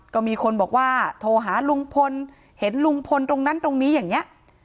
ก็มีคนบอกว่าโทรหาลุงพลเห็นลุงพลตรงนั้นตรงนี้อย่างนี้